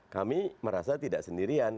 kami merasa tidak sendirian